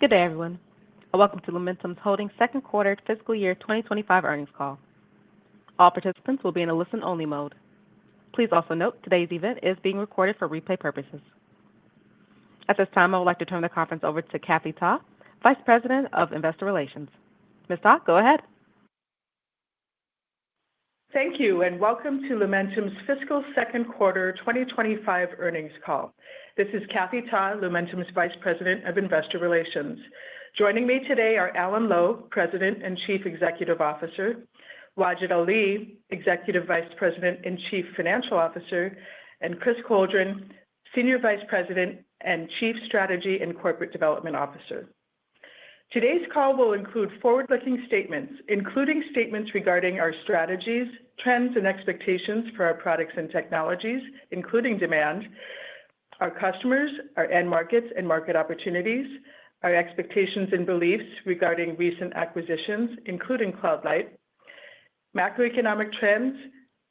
Good day, everyone, and welcome to Lumentum Holdings second quarter fiscal year 2025 earnings call. All participants will be in a listen-only mode. Please also note today's event is being recorded for replay purposes. At this time, I would like to turn the conference over to Kathy Ta, Vice President of Investor Relations. Ms. Ta, go ahead. Thank you, and welcome to Lumentum's fiscal second quarter 2025 earnings call. This is Kathy Ta, Lumentum's Vice President of Investor Relations. Joining me today are Alan Lowe, President and Chief Executive Officer, Wajid Ali, Executive Vice President and Chief Financial Officer, and Chris Coldren, Senior Vice President and Chief Strategy and Corporate Development Officer. Today's call will include forward-looking statements, including statements regarding our strategies, trends, and expectations for our products and technologies, including demand, our customers, our end markets and market opportunities, our expectations and beliefs regarding recent acquisitions, including Cloud Light, macroeconomic trends,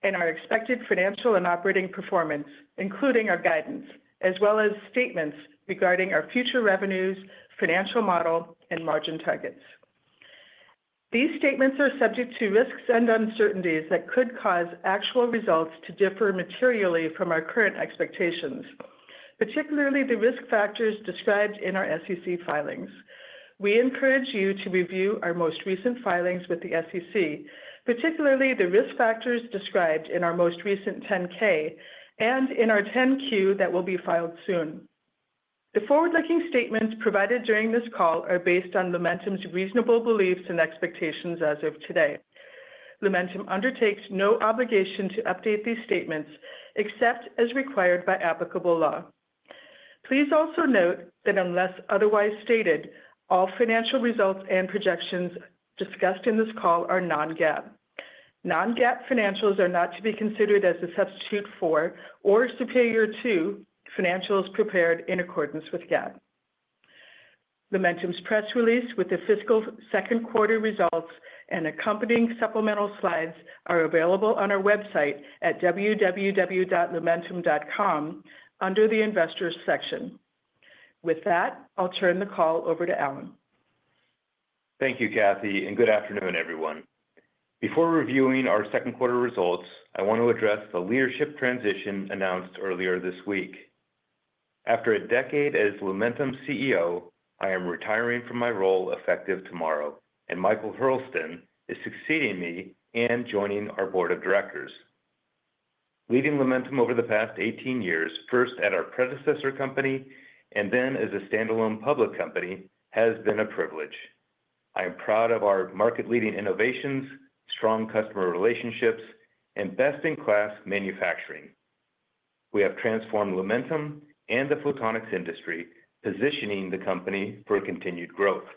and our expected financial and operating performance, including our guidance, as well as statements regarding our future revenues, financial model, and margin targets. These statements are subject to risks and uncertainties that could cause actual results to differ materially from our current expectations, particularly the risk factors described in our SEC filings. We encourage you to review our most recent filings with the SEC, particularly the risk factors described in our most recent 10-K and in our 10-Q that will be filed soon. The forward-looking statements provided during this call are based on Lumentum's reasonable beliefs and expectations as of today. Lumentum undertakes no obligation to update these statements except as required by applicable law. Please also note that unless otherwise stated, all financial results and projections discussed in this call are non-GAAP. Non-GAAP financials are not to be considered as a substitute for or superior to financials prepared in accordance with GAAP. Lumentum's press release with the fiscal second quarter results and accompanying supplemental slides are available on our website at www.lumentum.com under the Investors section. With that, I'll turn the call over to Alan. Thank you, Kathy, and good afternoon, everyone. Before reviewing our second quarter results, I want to address the leadership transition announced earlier this week. After a decade as Lumentum's CEO, I am retiring from my role effective tomorrow, and Michael Hurlston is succeeding me and joining our board of directors. Leading Lumentum over the past 18 years, first at our predecessor company and then as a standalone public company, has been a privilege. I am proud of our market-leading innovations, strong customer relationships, and best-in-class manufacturing. We have transformed Lumentum and the photonics industry, positioning the company for continued growth.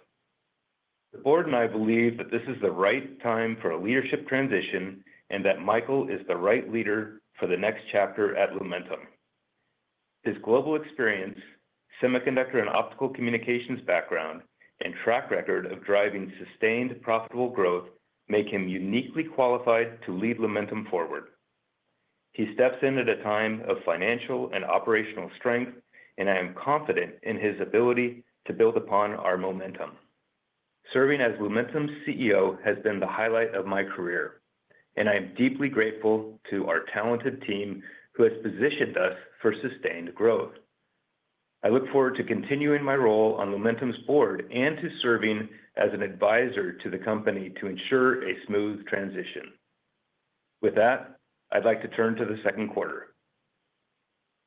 The board and I believe that this is the right time for a leadership transition and that Michael is the right leader for the next chapter at Lumentum. His global experience, semiconductor and optical communications background, and track record of driving sustained profitable growth make him uniquely qualified to lead Lumentum forward. He steps in at a time of financial and operational strength, and I am confident in his ability to build upon our momentum. Serving as Lumentum's CEO has been the highlight of my career, and I am deeply grateful to our talented team who has positioned us for sustained growth. I look forward to continuing my role on Lumentum's board and to serving as an advisor to the company to ensure a smooth transition. With that, I'd like to turn to the second quarter.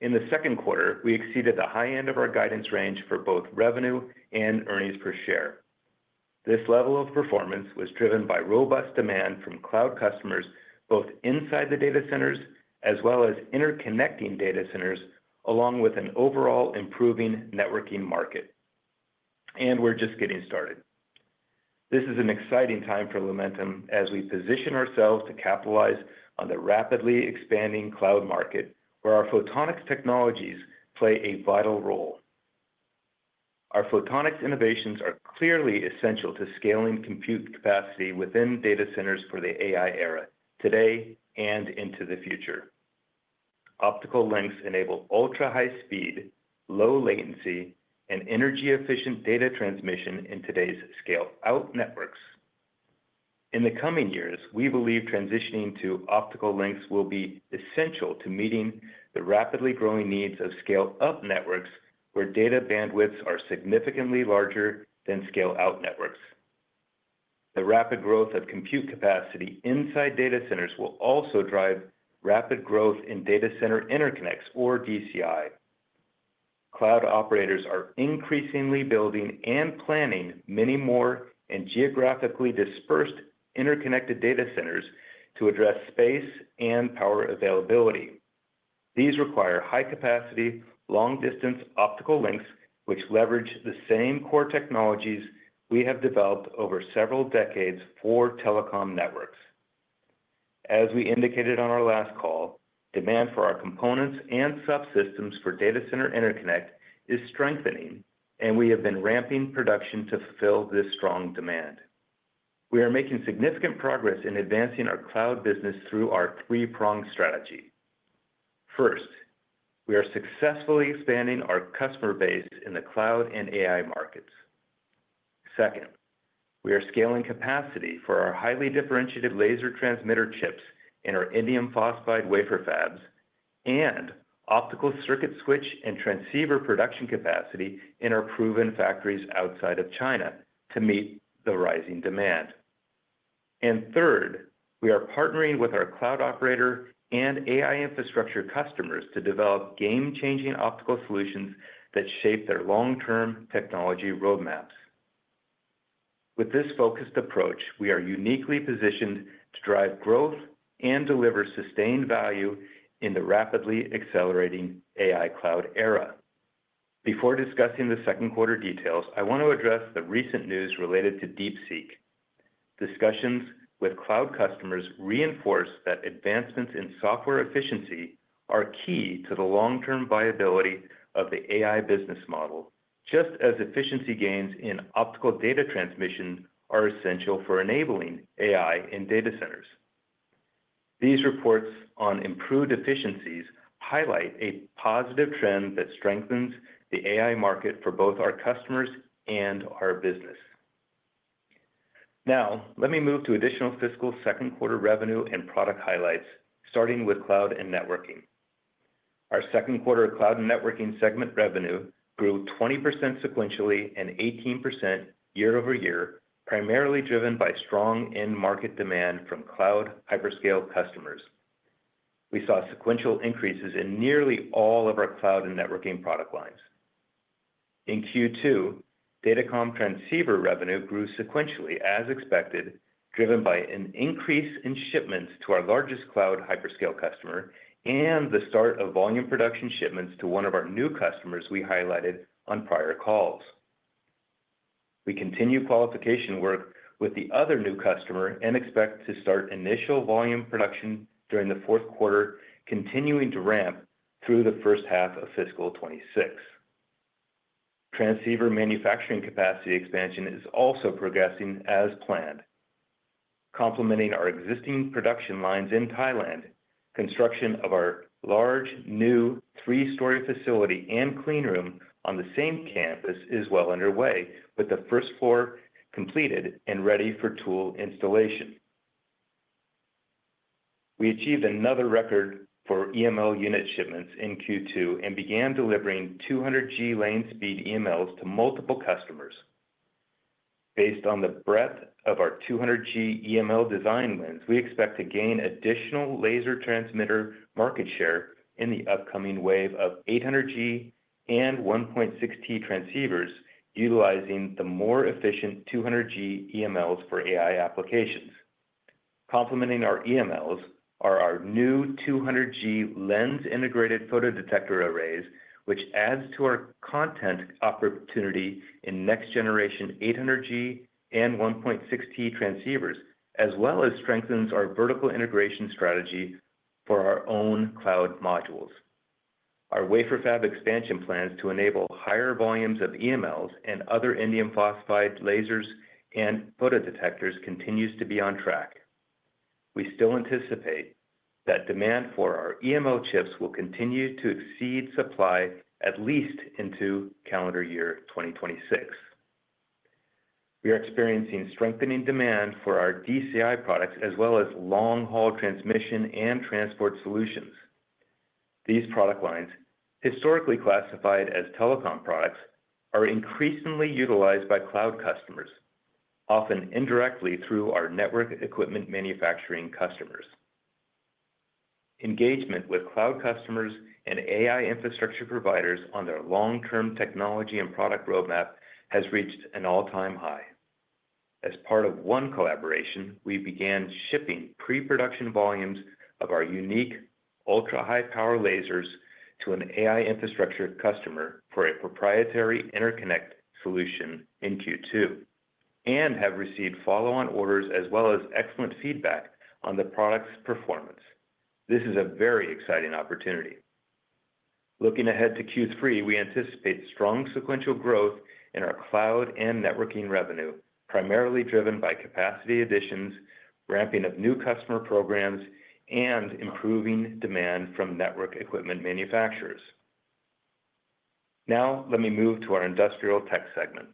In the second quarter, we exceeded the high end of our guidance range for both revenue and earnings per share. This level of performance was driven by robust demand from cloud customers both inside the data centers as well as interconnecting data centers, along with an overall improving networking market, and we're just getting started. This is an exciting time for Lumentum as we position ourselves to capitalize on the rapidly expanding cloud market where our photonics technologies play a vital role. Our photonics innovations are clearly essential to scaling compute capacity within data centers for the AI era today and into the future. Optical links enable ultra-high speed, low latency, and energy-efficient data transmission in today's scale-out networks. In the coming years, we believe transitioning to optical links will be essential to meeting the rapidly growing needs of scale-up networks where data bandwidths are significantly larger than scale-out networks. The rapid growth of compute capacity inside data centers will also drive rapid growth in data center interconnects, or DCI. Cloud operators are increasingly building and planning many more and geographically dispersed interconnected data centers to address space and power availability. These require high-capacity, long-distance optical links, which leverage the same core technologies we have developed over several decades for telecom networks. As we indicated on our last call, demand for our components and subsystems for data center interconnect is strengthening, and we have been ramping production to fulfill this strong demand. We are making significant progress in advancing our cloud business through our three-pronged strategy. First, we are successfully expanding our customer base in the cloud and AI markets. Second, we are scaling capacity for our highly differentiated laser transmitter chips in our indium phosphide wafer fabs and optical circuit switch and transceiver production capacity in our proven factories outside of China to meet the rising demand. Third, we are partnering with our cloud operator and AI infrastructure customers to develop game-changing optical solutions that shape their long-term technology roadmaps. With this focused approach, we are uniquely positioned to drive growth and deliver sustained value in the rapidly accelerating AI cloud era. Before discussing the second quarter details, I want to address the recent news related to DeepSeek. Discussions with cloud customers reinforce that advancements in software efficiency are key to the long-term viability of the AI business model, just as efficiency gains in optical data transmission are essential for enabling AI in data centers. These reports on improved efficiencies highlight a positive trend that strengthens the AI market for both our customers and our business. Now, let me move to additional fiscal second quarter revenue and product highlights, starting with Cloud and Networking. Our second quarter Cloud and Networking segment revenue grew 20% sequentially and 18% year-over-year, primarily driven by strong end market demand from cloud hyperscale customers. We saw sequential increases in nearly all of our Cloud and Networking product lines. In Q2, datacom transceiver revenue grew sequentially as expected, driven by an increase in shipments to our largest cloud hyperscale customer and the start of volume production shipments to one of our new customers we highlighted on prior calls. We continue qualification work with the other new customer and expect to start initial volume production during the fourth quarter, continuing to ramp through the first half of fiscal 2026. Transceiver manufacturing capacity expansion is also progressing as planned. Complementing our existing production lines in Thailand, construction of our large new three-story facility and clean room on the same campus is well underway, with the first floor completed and ready for tool installation. We achieved another record for EML unit shipments in Q2 and began delivering 200G lane speed EMLs to multiple customers. Based on the breadth of our 200G EML design wins, we expect to gain additional laser transmitter market share in the upcoming wave of 800G and 1.6T transceivers, utilizing the more efficient 200G EMLs for AI applications. Complementing our EMLs are our new 200G lens-integrated photodetector arrays, which adds to our content opportunity in next-generation 800G and 1.6T transceivers, as well as strengthens our vertical integration strategy for our own cloud modules. Our wafer fab expansion plans to enable higher volumes of EMLs and other indium phosphide lasers and photodetectors continue to be on track. We still anticipate that demand for our EML chips will continue to exceed supply at least into calendar year 2026. We are experiencing strengthening demand for our DCI products as well as long-haul transmission and transport solutions. These product lines, historically classified as telecom products, are increasingly utilized by cloud customers, often indirectly through our network equipment manufacturing customers. Engagement with cloud customers and AI infrastructure providers on their long-term technology and product roadmap has reached an all-time high. As part of one collaboration, we began shipping pre-production volumes of our unique ultra-high-power lasers to an AI infrastructure customer for a proprietary interconnect solution in Q2 and have received follow-on orders as well as excellent feedback on the product's performance. This is a very exciting opportunity. Looking ahead to Q3, we anticipate strong sequential growth in our Cloud and Networking revenue, primarily driven by capacity additions, ramping of new customer programs, and improving demand from network equipment manufacturers. Now, let me move to our Industrial Tech segment.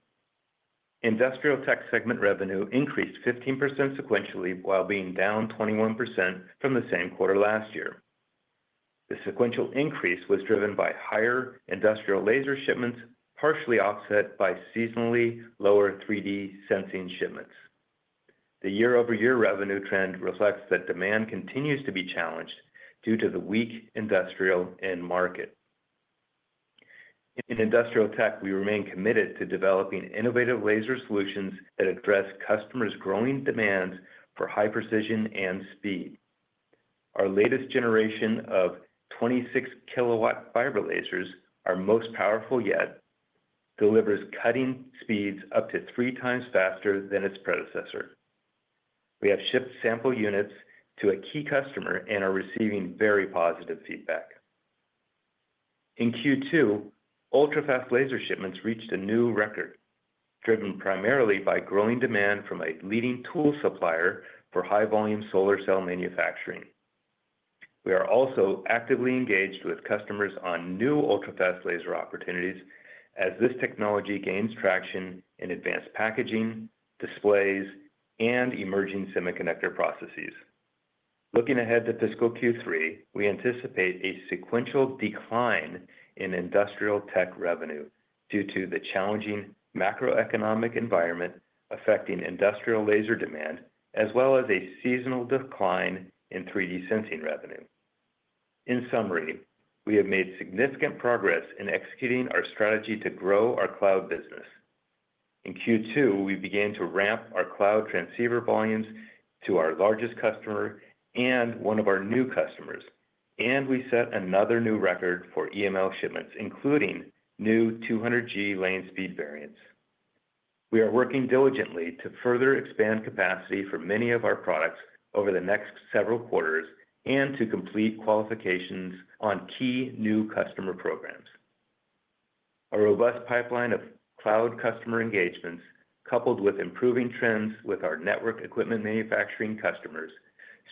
Industrial Tech segment revenue increased 15% sequentially while being down 21% from the same quarter last year. The sequential increase was driven by higher industrial laser shipments, partially offset by seasonally lower 3D sensing shipments. The year-over-year revenue trend reflects that demand continues to be challenged due to the weak industrial end market. In Industrial Tech, we remain committed to developing innovative laser solutions that address customers' growing demands for high precision and speed. Our latest generation of 26kW fiber lasers, our most powerful yet, delivers cutting speeds up to three times faster than its predecessor. We have shipped sample units to a key customer and are receiving very positive feedback. In Q2, ultra-fast laser shipments reached a new record, driven primarily by growing demand from a leading tool supplier for high-volume solar cell manufacturing. We are also actively engaged with customers on new ultra-fast laser opportunities as this technology gains traction in advanced packaging, displays, and emerging semiconductor processes. Looking ahead to fiscal Q3, we anticipate a sequential decline in Industrial Tech revenue due to the challenging macroeconomic environment affecting industrial laser demand, as well as a seasonal decline in 3D sensing revenue. In summary, we have made significant progress in executing our strategy to grow our cloud business. In Q2, we began to ramp our cloud transceiver volumes to our largest customer and one of our new customers, and we set another new record for EML shipments, including new 200G lane speed variants. We are working diligently to further expand capacity for many of our products over the next several quarters and to complete qualifications on key new customer programs. A robust pipeline of cloud customer engagements, coupled with improving trends with our network equipment manufacturing customers,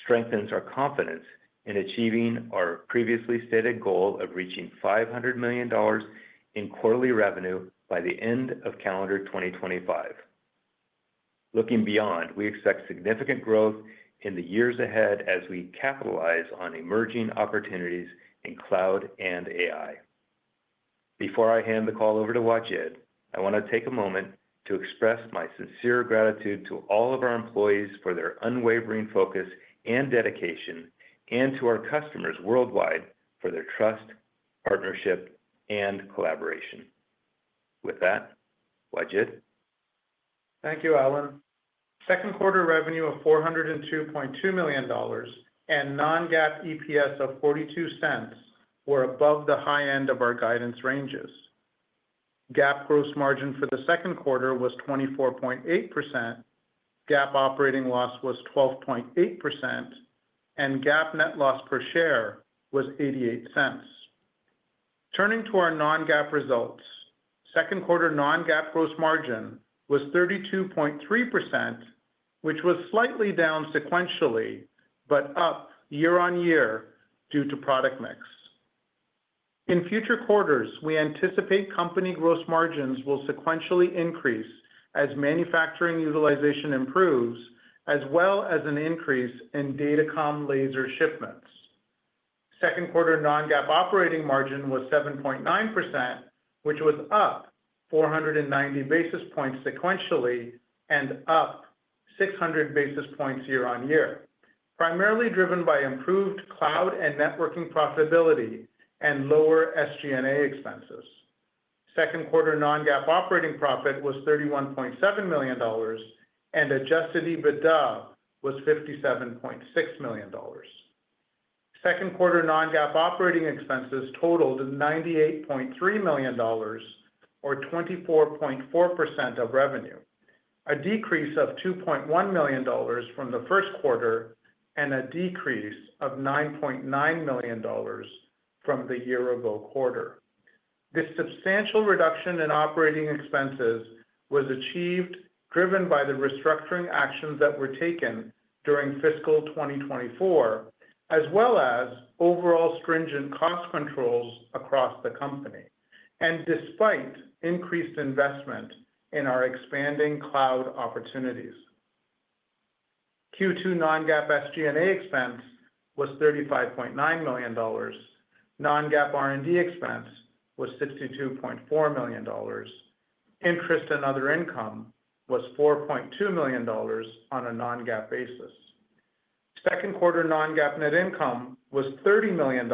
strengthens our confidence in achieving our previously stated goal of reaching $500 million in quarterly revenue by the end of calendar 2025. Looking beyond, we expect significant growth in the years ahead as we capitalize on emerging opportunities in cloud and AI. Before I hand the call over to Wajid, I want to take a moment to express my sincere gratitude to all of our employees for their unwavering focus and dedication, and to our customers worldwide for their trust, partnership, and collaboration. With that, Wajid. Thank you, Alan.Second quarter revenue of $402.2 million and non-GAAP EPS of $0.42 were above the high end of our guidance ranges. GAAP gross margin for the second quarter was 24.8%, GAAP operating loss was 12.8%, and GAAP net loss per share was $0.88. Turning to our non-GAAP results, second quarter non-GAAP gross margin was 32.3%, which was slightly down sequentially but up year-on-year due to product mix. In future quarters, we anticipate company gross margins will sequentially increase as manufacturing utilization improves, as well as an increase in datacom laser shipments. Second quarter non-GAAP operating margin was 7.9%, which was up 490 basis points sequentially and up 600 basis points year-on-year, primarily driven by improved Cloud and Networking profitability and lower SG&A expenses. Second quarter non-GAAP operating profit was $31.7 million, and adjusted EBITDA was $57.6 million. Second quarter non-GAAP operating expenses totaled $98.3 million, or 24.4% of revenue, a decrease of $2.1 million from the first quarter and a decrease of $9.9 million from the year-ago quarter. This substantial reduction in operating expenses was achieved, driven by the restructuring actions that were taken during fiscal 2024, as well as overall stringent cost controls across the company, and despite increased investment in our expanding cloud opportunities. Q2 non-GAAP SG&A expense was $35.9 million, non-GAAP R&D expense was $62.4 million, interest and other income was $4.2 million on a non-GAAP basis. Second quarter non-GAAP net income was $30 million,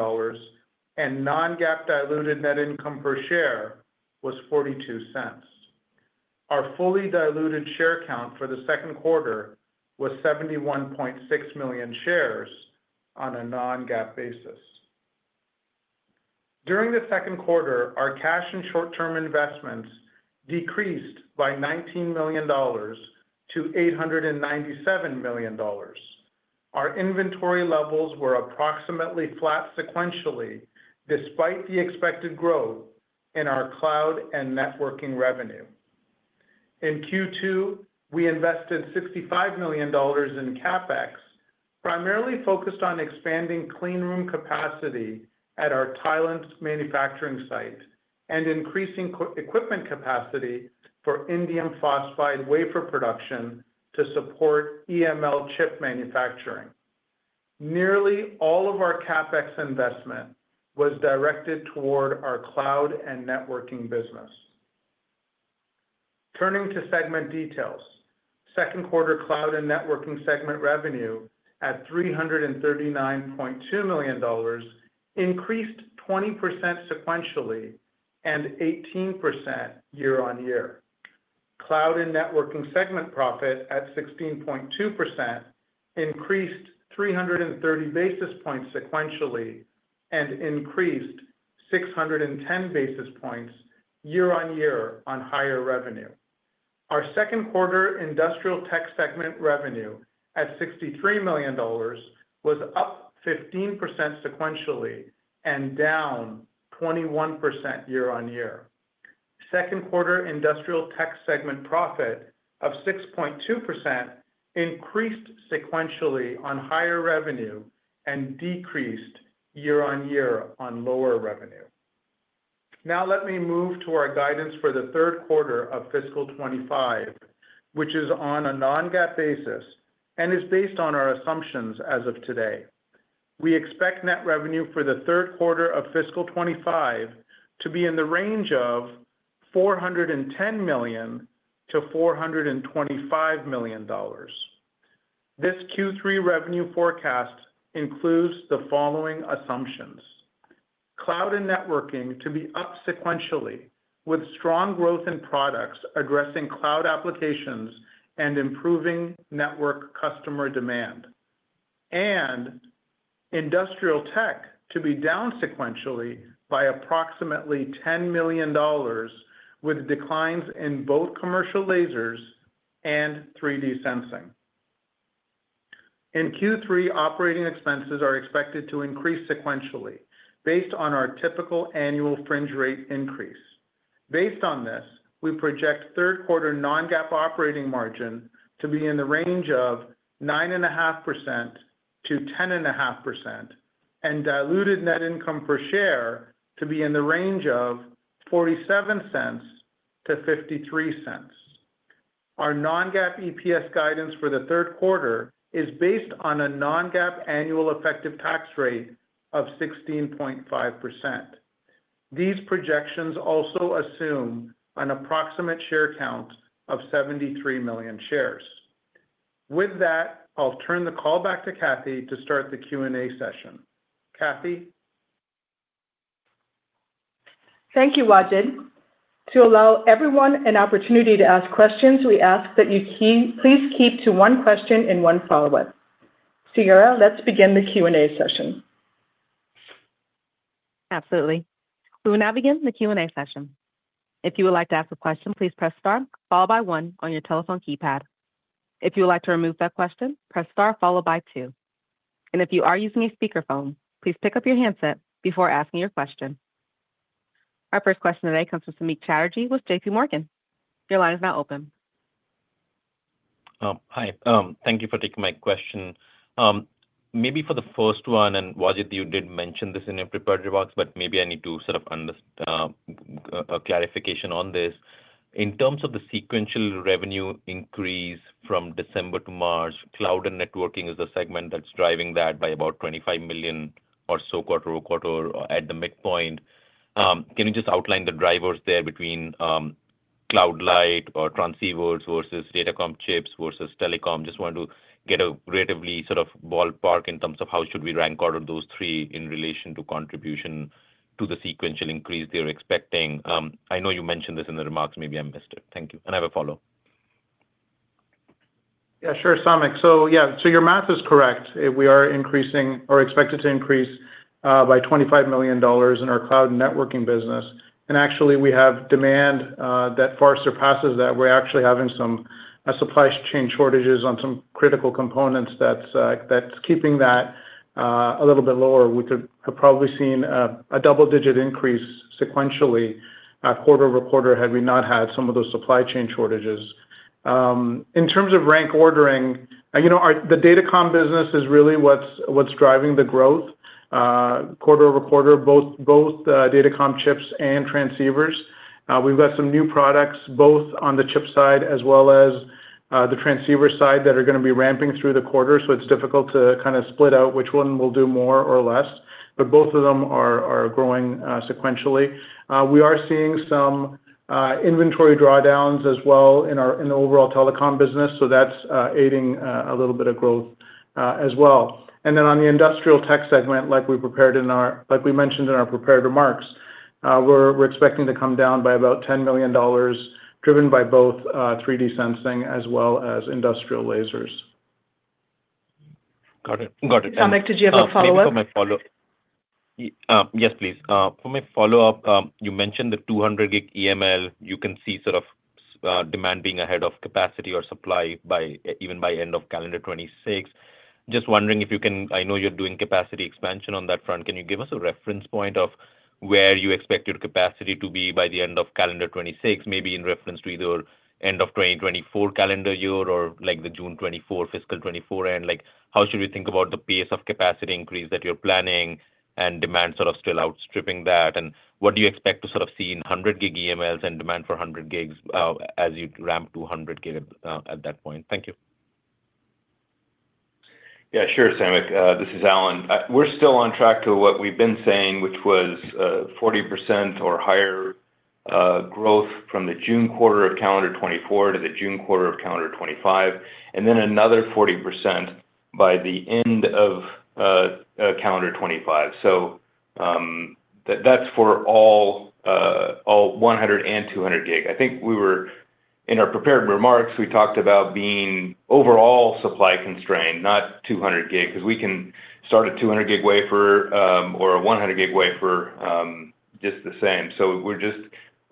and non-GAAP diluted net income per share was $0.42. Our fully diluted share count for the second quarter was 71.6 million shares on a non-GAAP basis. During the second quarter, our cash and short-term investments decreased by $19 million to $897 million. Our inventory levels were approximately flat sequentially despite the expected growth in our Cloud and Networking revenue. In Q2, we invested $65 million in CapEx, primarily focused on expanding clean room capacity at our Thailand manufacturing site and increasing equipment capacity for indium phosphide wafer production to support EML chip manufacturing. Nearly all of our CapEx investment was directed toward our Cloud and Networking business. Turning to segment details, second quarter Cloud and Networking segment revenue at $339.2 million increased 20% sequentially and 18% year-on-year. Cloud and Networking segment profit at 16.2% increased 330 basis points sequentially and increased 610 basis points year-on-year on higher revenue. Our second quarter Industrial Tech segment revenue at $63 million was up 15% sequentially and down 21% year-on-year. Second quarter Industrial Tech segment profit of 6.2% increased sequentially on higher revenue and decreased year-on-year on lower revenue. Now, let me move to our guidance for the third quarter of fiscal 2025, which is on a Non-GAAP basis and is based on our assumptions as of today. We expect net revenue for the third quarter of fiscal 2025 to be in the range of $410 million-$425 million. This Q3 revenue forecast includes the following assumptions: Cloud and Networking to be up sequentially with strong growth in products addressing cloud applications and improving network customer demand, and Industrial Tech to be down sequentially by approximately $10 million, with declines in both commercial lasers and 3D sensing. In Q3, operating expenses are expected to increase sequentially based on our typical annual fringe rate increase. Based on this, we project third quarter non-GAAP operating margin to be in the range of 9.5%-10.5% and diluted net income per share to be in the range of $0.47-$0.53. Our non-GAAP EPS guidance for the third quarter is based on a non-GAAP annual effective tax rate of 16.5%. These projections also assume an approximate share count of 73 million shares. With that, I'll turn the call back to Kathy to start the Q&A session. Kathy. Thank you, Wajid. To allow everyone an opportunity to ask questions, we ask that you please keep to one question and one follow-up. Sierra, let's begin the Q&A session. Absolutely. We will now begin the Q&A session. If you would like to ask a question, please press star, followed by one, on your telephone keypad. If you would like to remove that question, press star, followed by two. If you are using a speakerphone, please pick up your handset before asking your question. Our first question today comes from Samik Chatterjee with J.P. Morgan. Your line is now open. Hi. Thank you for taking my question. Maybe for the first one, and Wajid, you did mention this in your prepared remarks, but maybe I need some clarification on this. In terms of the sequential revenue increase from December to March, Cloud and Networking is the segment that's driving that by about $25 million or so quarter-over-quarter at the midpoint. Can you just outline the drivers there between Cloud Light or transceivers versus datacom chips versus telecom? Just wanted to get a relatively sort of ballpark in terms of how should we rank all of those three in relation to contribution to the sequential increase they're expecting. I know you mentioned this in the remarks. Maybe I missed it. Thank you, and I have a follow-up. Yeah, sure, Samik. So yeah, so your math is correct. We are increasing or expected to increase by $25 million in our Cloud Networking business. And actually, we have demand that far surpasses that. We're actually having some supply chain shortages on some critical components that's keeping that a little bit lower. We could have probably seen a double-digit increase sequentially quarter-over-quarter had we not had some of those supply chain shortages. In terms of rank ordering, the datacom business is really what's driving the growth quarter-over-quarter, both datacom chips and transceivers. We've got some new products both on the chip side as well as the transceiver side that are going to be ramping through the quarter, so it's difficult to kind of split out which one will do more or less. But both of them are growing sequentially. We are seeing some inventory drawdowns as well in the overall telecom business, so that's aiding a little bit of growth as well. And then on the Industrial Tech segment, like we mentioned in our prepared remarks, we're expecting to come down by about $10 million, driven by both 3D sensing as well as industrial lasers. Got it. Got it. Samik, did you have a follow-up? Yes, please. For my follow-up, you mentioned the 200-gig EML. You can see sort of demand being ahead of capacity or supply even by end of calendar 2026. Just wondering if you can. I know you're doing capacity expansion on that front. Can you give us a reference point of where you expect your capacity to be by the end of calendar 2026, maybe in reference to either end of 2024 calendar year or the June 2024, fiscal 2024 end? How should we think about the pace of capacity increase that you're planning and demand sort of still outstripping that? And what do you expect to sort of see in 100-gig EMLs and demand for 100 gigs as you ramp to 100 gig at that point? Thank you. Yeah, sure, Samik. This is Alan. We're still on track to what we've been saying, which was 40% or higher growth from the June quarter of calendar 2024 to the June quarter of calendar 2025, and then another 40% by the end of calendar 2025. So that's for all 100 and 200 gig. I think we were in our prepared remarks. We talked about being overall supply constrained, not 200 gig, because we can start a 200-gig wafer or a 100-gig wafer just the same. So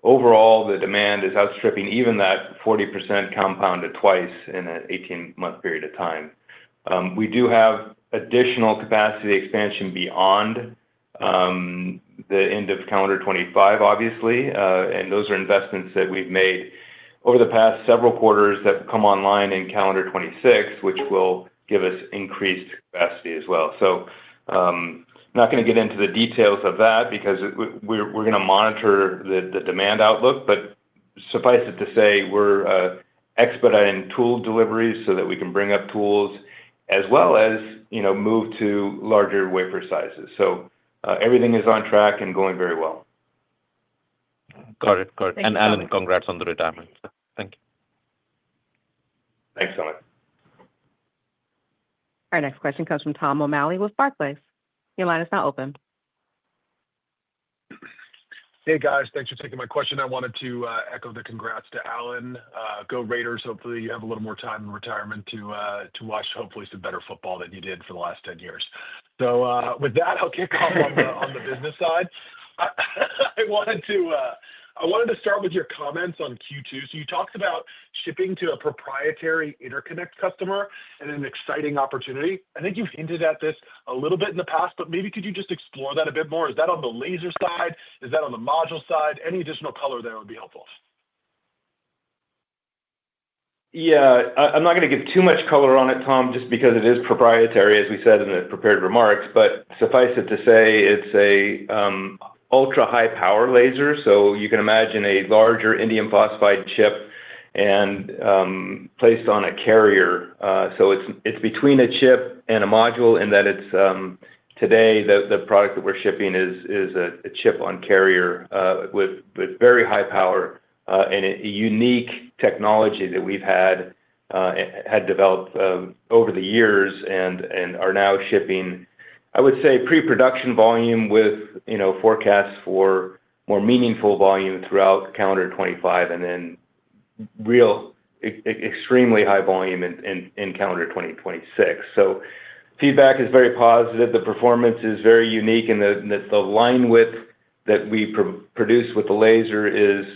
overall, the demand is outstripping even that 40% compounded twice in an 18-month period of time. We do have additional capacity expansion beyond the end of calendar 2025, obviously, and those are investments that we've made over the past several quarters that come online in calendar 2026, which will give us increased capacity as well. So I'm not going to get into the details of that because we're going to monitor the demand outlook, but suffice it to say we're expediting tool deliveries so that we can bring up tools as well as move to larger wafer sizes. So everything is on track and going very well. Got it. Got it. And Alan, congrats on the retirement. Thank you. Thanks, Samik. Our next question comes from Tom O'Malley with Barclays. Your line is now open. Hey, guys. Thanks for taking my question. I wanted to echo the congrats to Alan. Go Raiders. Hopefully, you have a little more time in retirement to watch hopefully some better football than you did for the last 10 years. So with that, I'll kick off on the business side. I wanted to start with your comments on Q2. So you talked about shipping to a proprietary interconnect customer and an exciting opportunity. I think you've hinted at this a little bit in the past, but maybe could you just explore that a bit more? Is that on the laser side? Is that on the module side? Any additional color there would be helpful. Yeah. I'm not going to give too much color on it, Tom, just because it is proprietary, as we said in the prepared remarks, but suffice it to say it's an ultra-high-power laser. So you can imagine a larger indium phosphide chip and placed on a carrier. So it's between a chip and a module in that today, the product that we're shipping is a chip on carrier with very high power and a unique technology that we've had developed over the years and are now shipping, I would say, pre-production volume with forecasts for more meaningful volume throughout calendar 2025 and then real extremely high volume in calendar 2026. So feedback is very positive. The performance is very unique, and the line width that we produce with the laser is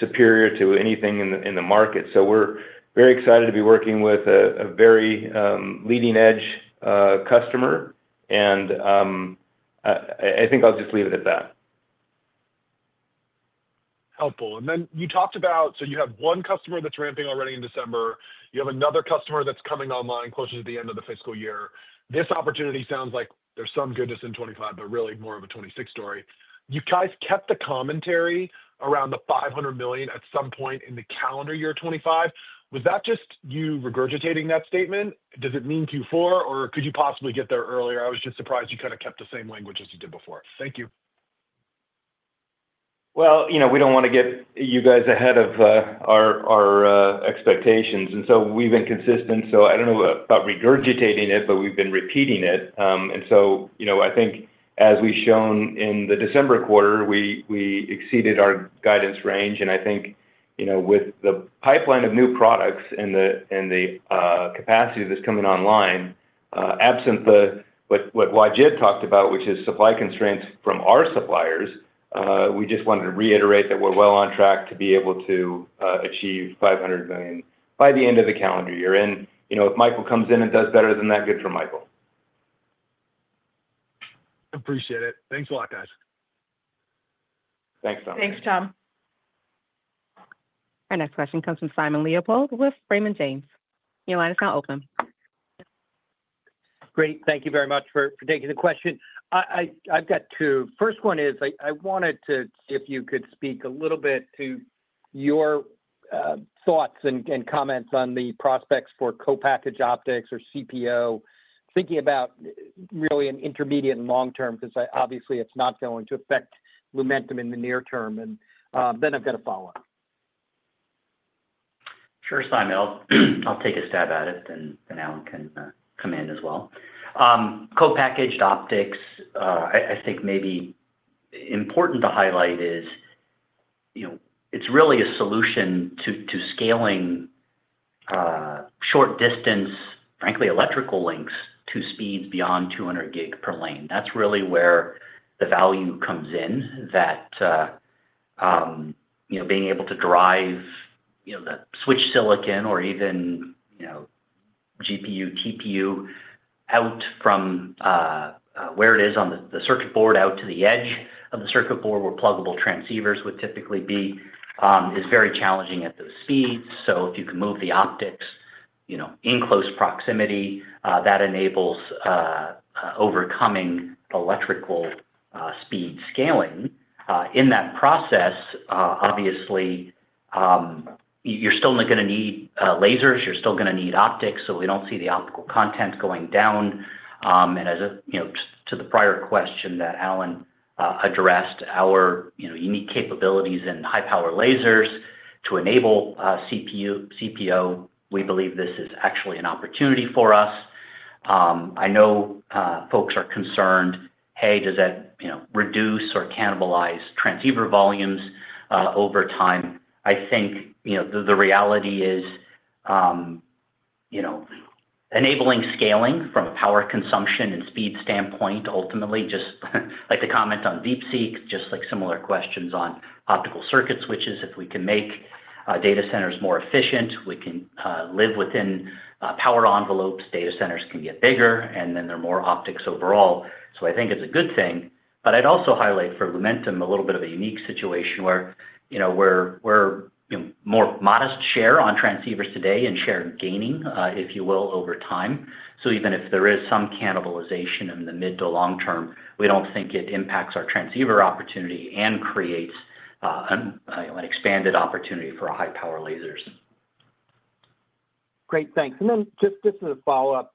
superior to anything in the market. So we're very excited to be working with a very leading-edge customer, and I think I'll just leave it at that. Helpful. And then you talked about so you have one customer that's ramping already in December. You have another customer that's coming online closer to the end of the fiscal year. This opportunity sounds like there's some goodness in 2025, but really more of a 2026 story. You guys kept the commentary around the $500 million at some point in the calendar year 2025. Was that just you regurgitating that statement? Does it mean Q4, or could you possibly get there earlier? I was just surprised you kind of kept the same language as you did before. Thank you. Well, we don't want to get you guys ahead of our expectations. And so we've been consistent. So I don't know about regurgitating it, but we've been repeating it. And so I think, as we've shown in the December quarter, we exceeded our guidance range. And I think with the pipeline of new products and the capacity that's coming online, absent what Wajid talked about, which is supply constraints from our suppliers, we just wanted to reiterate that we're well on track to be able to achieve $500 million by the end of the calendar year. And if Michael comes in and does better than that, good for Michael. Appreciate it. Thanks a lot, guys. Thanks, Samik. Thanks, Tom. Our next question comes from Simon Leopold with Raymond James. Your line is now open. Great. Thank you very much for taking the question. I've got two. First one is I wanted to see if you could speak a little bit to your thoughts and comments on the prospects for Co-Packaged Optics or CPO, thinking about really an intermediate and long-term because obviously, it's not going to affect momentum in the near term. And then I've got a follow-up. Sure, Simon. I'll take a stab at it, and Alan can come in as well. Co-Packaged Optics, I think maybe important to highlight is it's really a solution to scaling short-distance, frankly, electrical links to speeds beyond 200 gig per lane. That's really where the value comes in, that being able to drive the switch silicon or even GPU, TPU out from where it is on the circuit board out to the edge of the circuit board, where pluggable transceivers would typically be, is very challenging at those speeds. So if you can move the optics in close proximity, that enables overcoming electrical speed scaling. In that process, obviously, you're still going to need lasers. You're still going to need optics, so we don't see the optical content going down, and as to the prior question that Alan addressed, our unique capabilities and high-power lasers to enable CPO, we believe this is actually an opportunity for us. I know folks are concerned, "Hey, does that reduce or cannibalize transceiver volumes over time?" I think the reality is enabling scaling from a power consumption and speed standpoint, ultimately. Just like the comment on DeepSeek, just like similar questions on optical circuit switches. If we can make data centers more efficient, we can live within power envelopes. Data centers can get bigger, and then there are more optics overall, so I think it's a good thing. But I'd also highlight for Lumentum a little bit of a unique situation where we're more modest share on transceivers today and share gaining, if you will, over time. So even if there is some cannibalization in the mid to long term, we don't think it impacts our transceiver opportunity and creates an expanded opportunity for high-power lasers. Great. Thanks. And then just as a follow-up,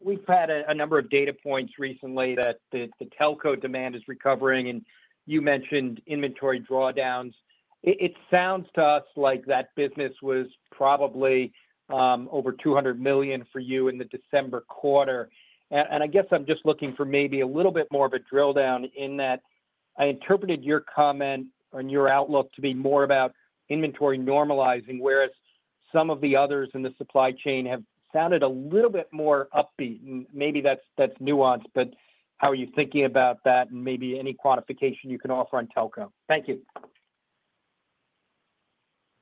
we've had a number of data points recently that the telco demand is recovering, and you mentioned inventory drawdowns. It sounds to us like that business was probably over $200 million for you in the December quarter. And I guess I'm just looking for maybe a little bit more of a drill down in that I interpreted your comment on your outlook to be more about inventory normalizing, whereas some of the others in the supply chain have sounded a little bit more upbeat. Maybe that's nuanced, but how are you thinking about that and maybe any quantification you can offer on telco? Thank you.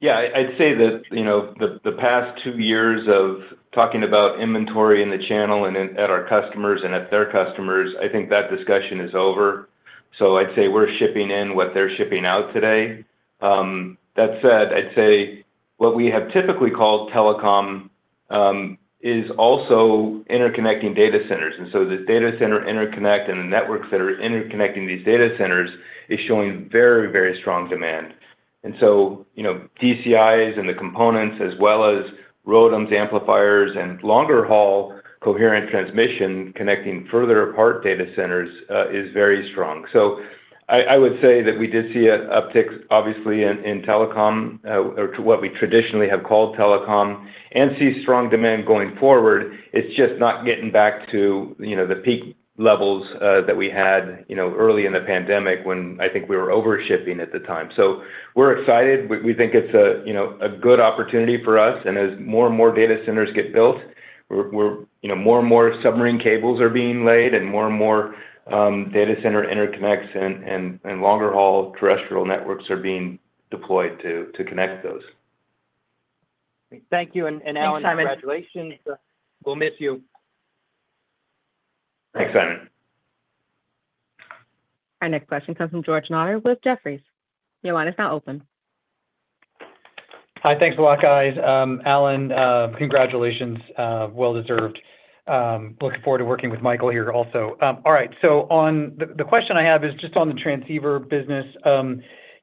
Yeah. I'd say that the past two years of talking about inventory in the channel and at our customers and at their customers, I think that discussion is over. So I'd say we're shipping in what they're shipping out today. That said, I'd say what we have typically called telecom is also interconnecting data centers. And so the data center interconnect and the networks that are interconnecting these data centers is showing very, very strong demand. And so DCIs and the components as well as ROADMs, amplifiers, and longer-haul coherent transmission connecting further apart data centers is very strong. So I would say that we did see upticks, obviously, in telecom, or what we traditionally have called telecom, and see strong demand going forward. It's just not getting back to the peak levels that we had early in the pandemic when I think we were overshipping at the time. So we're excited. We think it's a good opportunity for us. And as more and more data centers get built, more and more submarine cables are being laid, and more and more data center interconnects and longer-haul terrestrial networks are being deployed to connect those. Thank you. And Alan, congratulations. We'll miss you. Thanks, Simon. Our next question comes from George Notter with Jefferies. Your line is now open. Hi. Thanks a lot, guys. Alan, congratulations. Well-deserved. Looking forward to working with Michael here also. All right. So the question I have is just on the transceiver business.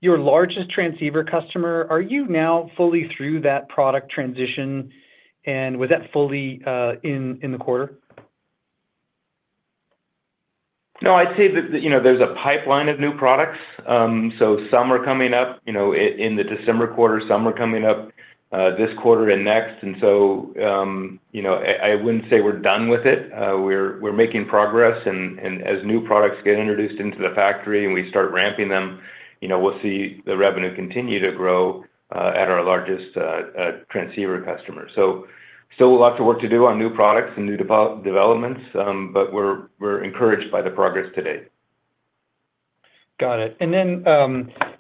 Your largest transceiver customer, are you now fully through that product transition, and was that fully in the quarter? No, I'd say that there's a pipeline of new products, so some are coming up in the December quarter. Some are coming up this quarter and next, and so I wouldn't say we're done with it. We're making progress, and as new products get introduced into the factory and we start ramping them, we'll see the revenue continue to grow at our largest transceiver customer, so still a lot of work to do on new products and new developments, but we're encouraged by the progress today. Got it, and then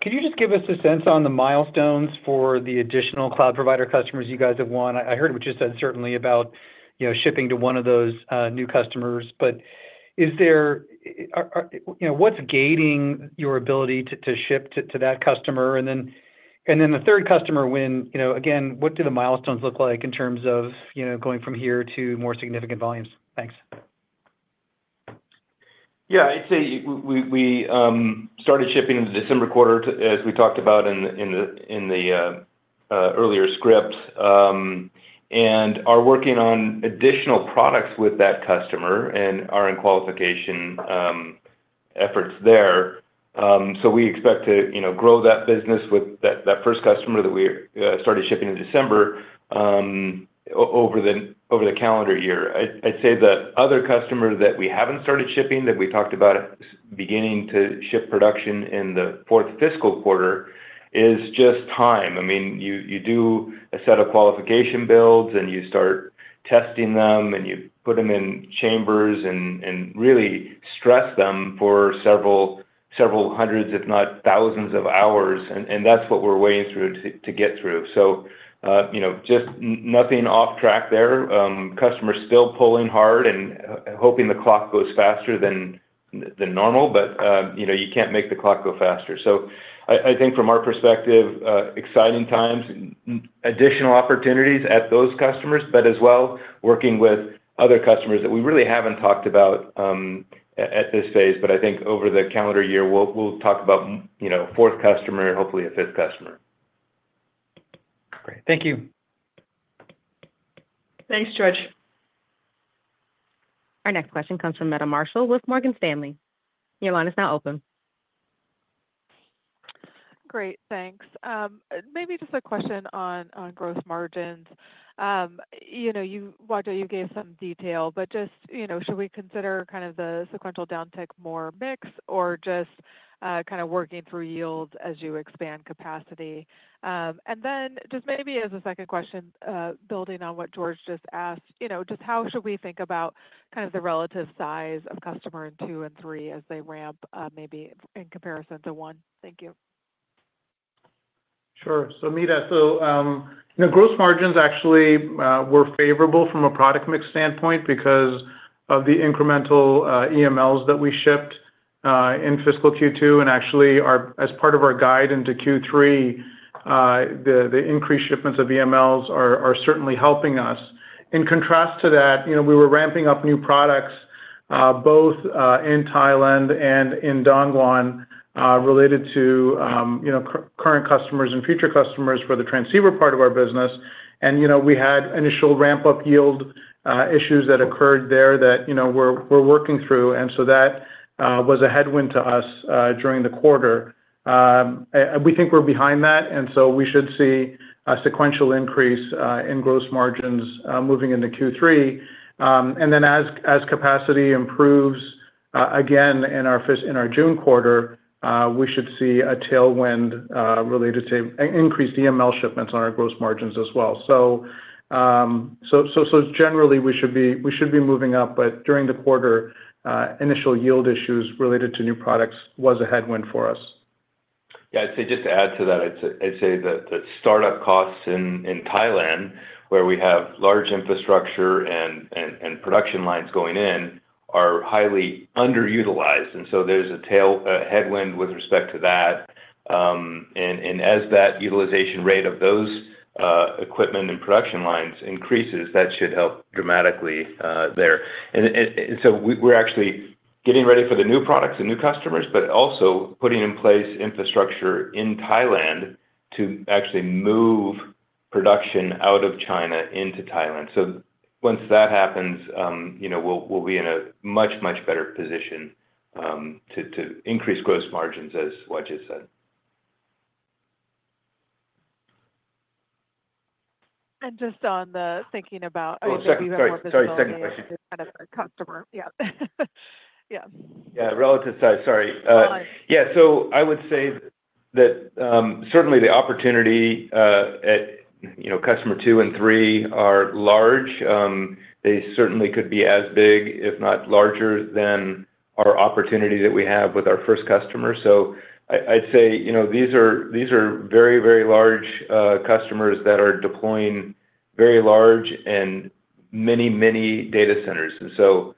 could you just give us a sense on the milestones for the additional cloud provider customers you guys have won? I heard what you said certainly about shipping to one of those new customers, but what's gating your ability to ship to that customer? And then the third customer, again, what do the milestones look like in terms of going from here to more significant volumes? Thanks. Yeah. I'd say we started shipping in the December quarter, as we talked about in the earlier script, and are working on additional products with that customer and are in qualification efforts there. So we expect to grow that business with that first customer that we started shipping in December over the calendar year. I'd say the other customer that we haven't started shipping that we talked about beginning to ship production in the fourth fiscal quarter is just time. I mean, you do a set of qualification builds, and you start testing them, and you put them in chambers and really stress them for several hundreds, if not thousands of hours. And that's what we're waiting to get through. So just nothing off track there. Customers still pulling hard and hoping the clock goes faster than normal, but you can't make the clock go faster. So I think from our perspective, exciting times, additional opportunities at those customers, but as well working with other customers that we really haven't talked about at this phase. But I think over the calendar year, we'll talk about fourth customer, hopefully a fifth customer. Great. Thank you. Thanks, George. Our next question comes from Meta Marshall with Morgan Stanley. Your line is now open. Great. Thanks. Maybe just a question on gross margins. You gave some detail, but just should we consider kind of the sequential downtick more mix or just kind of working through yields as you expand capacity? And then just maybe as a second question, building on what George just asked, just how should we think about kind of the relative size of customer in two and three as they ramp maybe in comparison to one? Thank you. Sure. So Meta, so gross margins actually were favorable from a product mix standpoint because of the incremental EMLs that we shipped in fiscal Q2. And actually, as part of our guide into Q3, the increased shipments of EMLs are certainly helping us. In contrast to that, we were ramping up new products both in Thailand and in Dongguan related to current customers and future customers for the transceiver part of our business. And we had initial ramp-up yield issues that occurred there that we're working through. And so that was a headwind to us during the quarter. We think we're behind that, and so we should see a sequential increase in gross margins moving into Q3. And then as capacity improves again in our June quarter, we should see a tailwind related to increased EML shipments on our gross margins as well. So generally, we should be moving up, but during the quarter, initial yield issues related to new products was a headwind for us. Yeah. I'd say just to add to that, I'd say that the startup costs in Thailand, where we have large infrastructure and production lines going in, are highly underutilized. And so there's a headwind with respect to that. And as that utilization rate of those equipment and production lines increases, that should help dramatically there. We're actually getting ready for the new products and new customers, but also putting in place infrastructure in Thailand to actually move production out of China into Thailand. So once that happens, we'll be in a much, much better position to increase gross margins, as Wajid said. And just on the thinking about, Oh, sorry, sorry. Sorry, second question. Kind of a customer. Yeah. Yeah. Relative size. Sorry. Yeah. So I would say that certainly the opportunity at customer two and three are large. They certainly could be as big, if not larger, than our opportunity that we have with our first customer. So I'd say these are very, very large customers that are deploying very large and many, many data centers. And so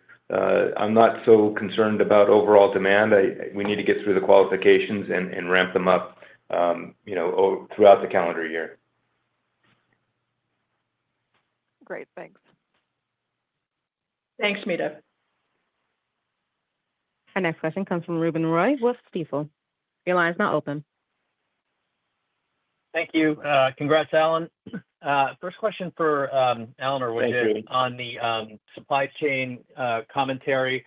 I'm not so concerned about overall demand. We need to get through the qualifications and ramp them up throughout the calendar year. Great. Thanks. Thanks, Meta. Our next question comes from Ruben Roy at Stifel. Your line is now open. Thank you. Congrats, Alan. First question for Alan or Wajid on the supply chain commentary.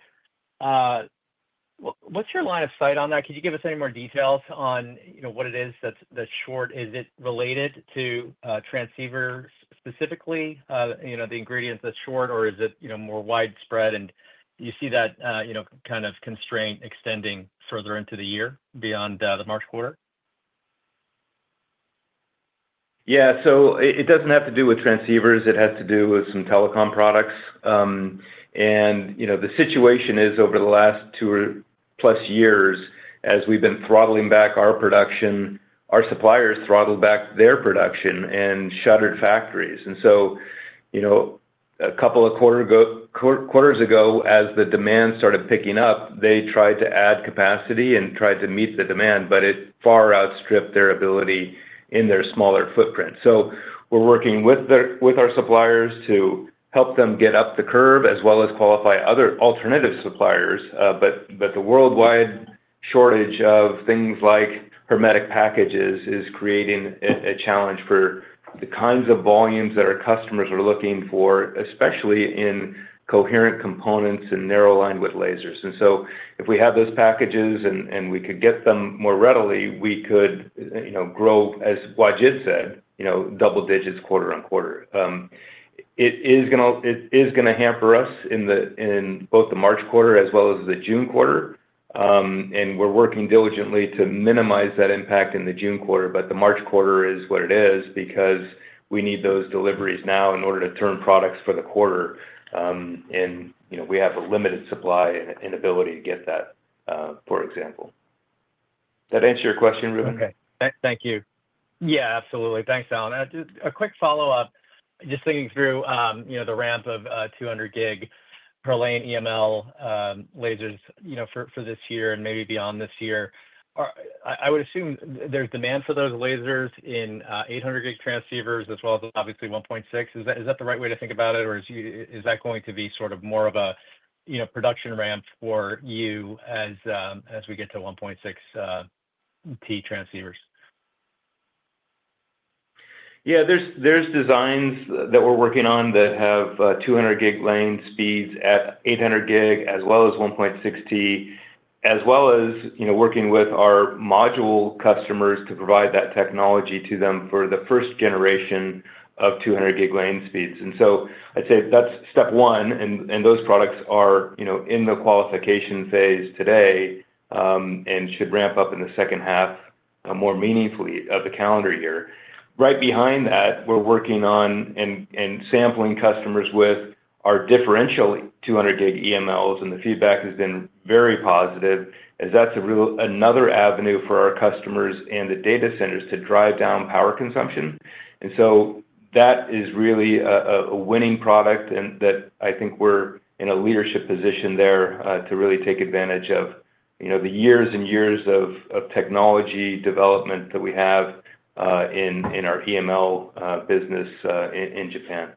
What's your line of sight on that? Could you give us any more details on what it is that's short? Is it related to transceivers specifically, the ingredients that's short, or is it more widespread? And do you see that kind of constraint extending further into the year beyond the March quarter? Yeah. So it doesn't have to do with transceivers. It has to do with some telecom products. And the situation is over the last two or plus years, as we've been throttling back our production, our suppliers throttled back their production and shuttered factories. And so a couple of quarters ago, as the demand started picking up, they tried to add capacity and tried to meet the demand, but it far outstripped their ability in their smaller footprint. So we're working with our suppliers to help them get up the curve as well as qualify other alternative suppliers. But the worldwide shortage of things like hermetic packages is creating a challenge for the kinds of volumes that our customers are looking for, especially in coherent components and narrow linewidth lasers. And so if we have those packages and we could get them more readily, we could grow, as Wajid said, double digits quarter on quarter. It is going to hamper us in both the March quarter as well as the June quarter. And we're working diligently to minimize that impact in the June quarter, but the March quarter is what it is because we need those deliveries now in order to turn products for the quarter. And we have a limited supply and ability to get that, for example. Does that answer your question, Ruben? Okay. Thank you. Yeah. Absolutely. Thanks, Alan. A quick follow-up. Just thinking through the ramp of 200-gig per lane EML lasers for this year and maybe beyond this year, I would assume there's demand for those lasers in 800-gig transceivers as well as obviously 1.6. Is that the right way to think about it, or is that going to be sort of more of a production ramp for you as we get to 1.6T transceivers? Yeah. There are designs that we're working on that have 200-gig lane speeds at 800-gig as well as 1.6T, as well as working with our module customers to provide that technology to them for the first generation of 200-gig lane speeds. And so I'd say that's step one. And those products are in the qualification phase today and should ramp up in the second half more meaningfully of the calendar year. Right behind that, we're working on and sampling customers with our differential 200-gig EMLs, and the feedback has been very positive as that's another avenue for our customers and the data centers to drive down power consumption. And so that is really a winning product and that I think we're in a leadership position there to really take advantage of the years and years of technology development that we have in our EML business in Japan.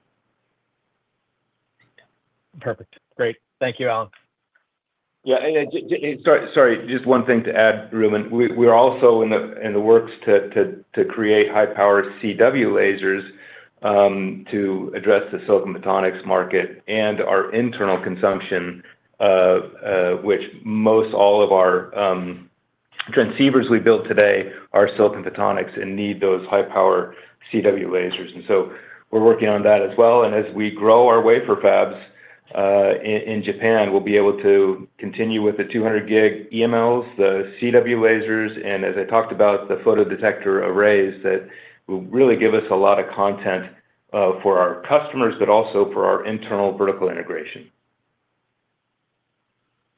Perfect. Great. Thank you, Alan. Yeah. Sorry. Just one thing to add, Ruben. We're also in the works to create high-power CW lasers to address the silicon photonics market and our internal consumption, which most all of our transceivers we build today are silicon photonics and need those high-power CW lasers. And so we're working on that as well. And as we grow our wafer fabs in Japan, we'll be able to continue with the 200-gig EMLs, the CW lasers, and as I talked about, the photodetector arrays that will really give us a lot of content for our customers, but also for our internal vertical integration.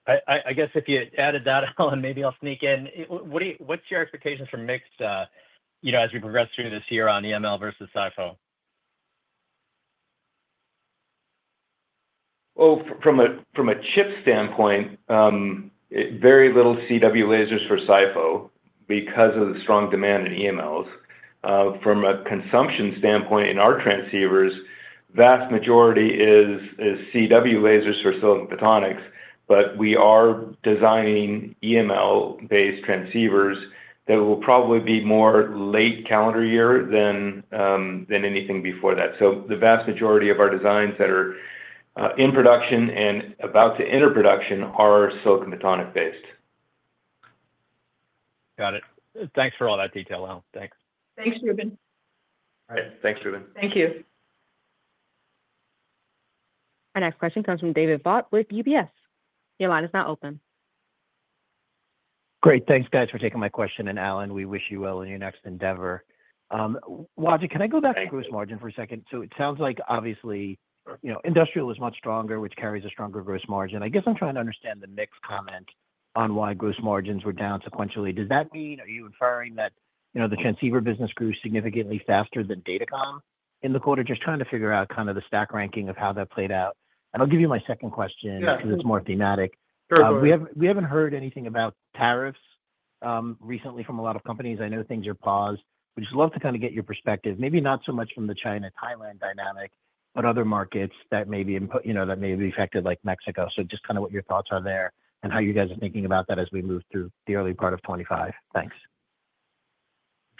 I guess if you added that, Alan, maybe I'll sneak in. What's your expectations for mix as we progress through this year on EML versus SiPh? Well, from a chip standpoint, very little CW lasers for SiPh because of the strong demand in EMLs. From a consumption standpoint in our transceivers, the vast majority is CW lasers for silicon photonics, but we are designing EML-based transceivers that will probably be more late calendar year than anything before that. So the vast majority of our designs that are in production and about to enter production are silicon photonic-based. Got it. Thanks for all that detail, Alan. Thanks. Thanks, Ruben. All right. Thanks, Ruben. Thank you. Our next question comes from David Vogt with UBS. Your line is now open. Great. Thanks, guys, for taking my question. And Alan, we wish you well in your next endeavor. Wajid, can I go back to gross margin for a second? So it sounds like obviously industrial is much stronger, which carries a stronger gross margin. I guess I'm trying to understand the mix comment on why gross margins were down sequentially. Does that mean, are you inferring that the transceiver business grew significantly faster than datacom in the quarter? Just trying to figure out kind of the stack ranking of how that played out. And I'll give you my second question because it's more thematic. We haven't heard anything about tariffs recently from a lot of companies. I know things are paused. We'd just love to kind of get your perspective, maybe not so much from the China-Thailand dynamic, but other markets that may be affected like Mexico. So just kind of what your thoughts are there and how you guys are thinking about that as we move through the early part of 2025. Thanks.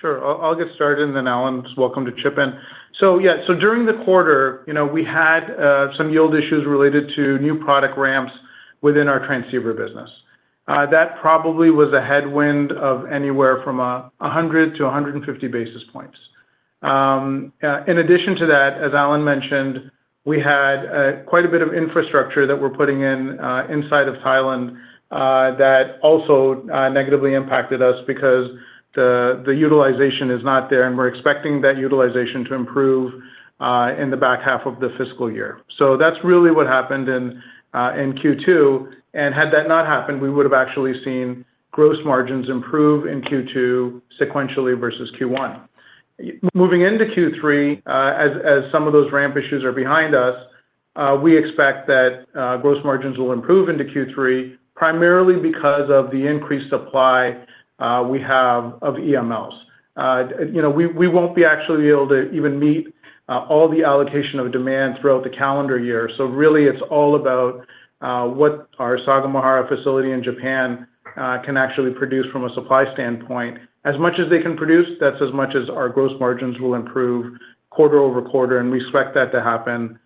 Sure. I'll get started. And then, Alan, welcome to chime in. So yeah. So during the quarter, we had some yield issues related to new product ramps within our transceiver business. That probably was a headwind of anywhere from 100-150 basis points. In addition to that, as Alan mentioned, we had quite a bit of infrastructure that we're putting in inside of Thailand that also negatively impacted us because the utilization is not there, and we're expecting that utilization to improve in the back half of the fiscal year. So that's really what happened in Q2. And had that not happened, we would have actually seen gross margins improve in Q2 sequentially versus Q1. Moving into Q3, as some of those ramp issues are behind us, we expect that gross margins will improve into Q3 primarily because of the increased supply we have of EMLs. We won't be actually able to even meet all the allocation of demand throughout the calendar year. So really, it's all about what our Sagamihara facility in Japan can actually produce from a supply standpoint. As much as they can produce, that's as much as our gross margins will improve quarter-over-quarter. And we expect that to happen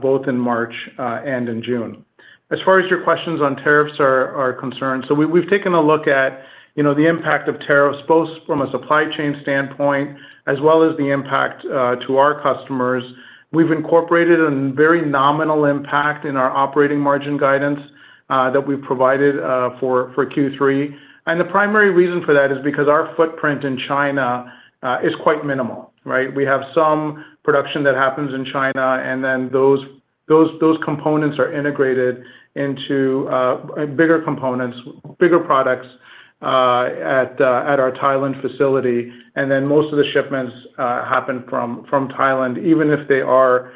both in March and in June. As far as your questions on tariffs are concerned, so we've taken a look at the impact of tariffs both from a supply chain standpoint as well as the impact to our customers. We've incorporated a very nominal impact in our operating margin guidance that we've provided for Q3. And the primary reason for that is because our footprint in China is quite minimal, right? We have some production that happens in China, and then those components are integrated into bigger components, bigger products at our Thailand facility. And then most of the shipments happen from Thailand, even if they are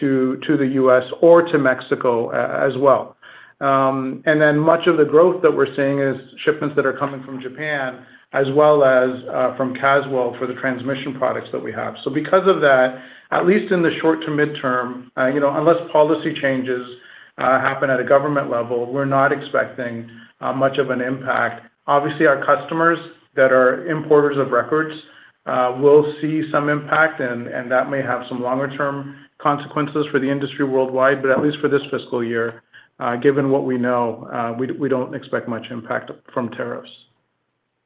to the U.S. or to Mexico as well. And then much of the growth that we're seeing is shipments that are coming from Japan as well as from Caswell for the transmission products that we have. So because of that, at least in the short to midterm, unless policy changes happen at a government level, we're not expecting much of an impact. Obviously, our customers that are importers of records will see some impact, and that may have some longer-term consequences for the industry worldwide, but at least for this fiscal year, given what we know, we don't expect much impact from tariffs.